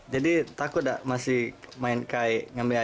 jadi takut tak masih main kai ngambil air